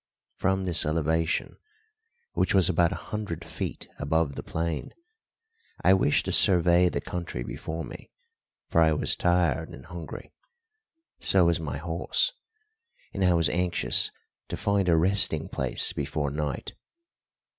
From this elevation, which was about a hundred feet above the plain, I wished to survey the country before me, for I was tired and hungry, so was my horse, and I was anxious to find a resting place before night.